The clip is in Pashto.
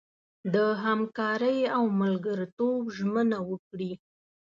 د همکارۍ او ملګرتوب ژمنه وکړي.